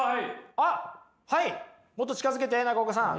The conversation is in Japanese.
はいもっと近づけて中岡さん。